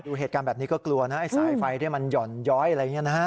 เหตุการณ์แบบนี้ก็กลัวนะไอ้สายไฟที่มันหย่อนย้อยอะไรอย่างนี้นะฮะ